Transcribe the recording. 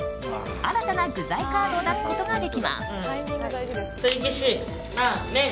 新たな具材カードを出すことができます。